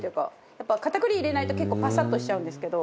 やっぱ片栗入れないと結構パサッとしちゃうんですけど。